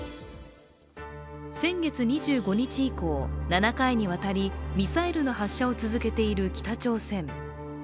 先月２５日以降、７回に渡りミサイルの発射を続けている北朝鮮。